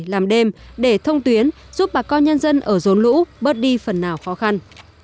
làm đêm để thông tuyến giúp bà con nhân dân ở rốn lũ bớt đi phần nào khó khăn